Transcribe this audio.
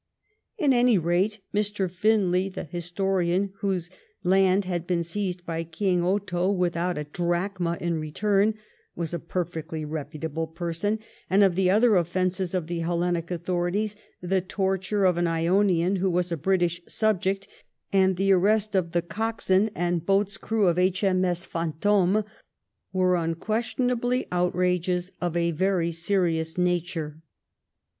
At any rate, Mr. Finlay, the historian, whose land had been seized by King Otho without a drachma in return, was a perfectly reputable person; and, of the other offences of the Hellenic authorities, the torture of an Ionian who was a British subject, and the arrest of the coxswain and boat's FALMMM3T0N AND THE OOUET. 188 crew of H.M.S* Fantdme^ were unquestionably outrages of a very serious nature.